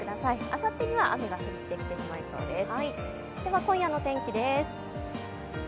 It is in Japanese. あさってには雨が降ってきてしまいそうです。